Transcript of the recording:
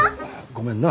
ごめんな。